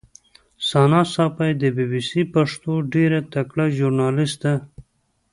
ثنا ساپۍ د بي بي سي پښتو ډېره تکړه ژورنالیسټه